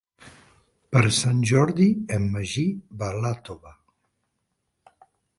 Per Sant Jordi en Magí va a Iàtova.